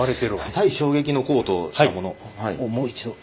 耐衝撃のコートをしたものをもう一度。